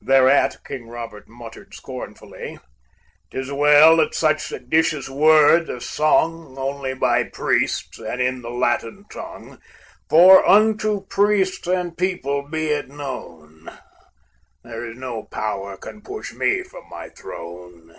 Thereat King Robert muttered scornfully, "'Tis well that such seditious words are sung Only by priests and in the Latin tongue; For unto priests and people be it known, There is no power can push me from my throne!"